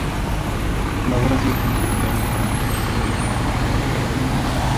Su labor ha sido fundamental en la eliminación de esta enfermedad en España.